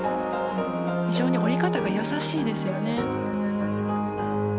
非常に降り方が優しいですね。